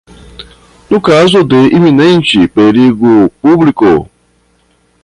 no caso de iminente perigo público